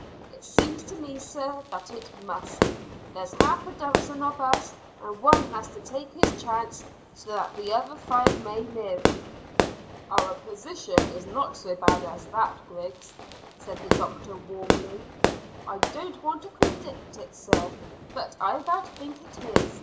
"It seems to me, sir, that it must. There's half a dozen of us, and one has to take his chance so that the other five may live." "Our position is not so bad as that, Griggs," said the doctor warmly. "I don't want to contradict, sir, but I about think it is.